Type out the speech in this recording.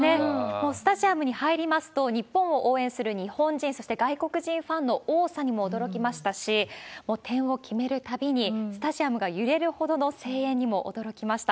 もうスタジアムに入りますと、日本を応援する日本人、そして外国人ファンの多さにも驚きましたし、点を決めるたびにスタジアムが揺れるほどの声援にも驚きました。